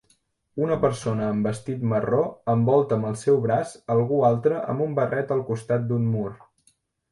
Una persona amb vestit marró envolta amb el seu braç algú altre amb un barret al costat d'un mur.